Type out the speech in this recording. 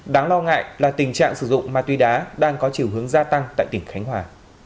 đáng lo ngại là tình trạng sử dụng ma túy đá đang có chiều hướng gia tăng tại tỉnh khánh hòa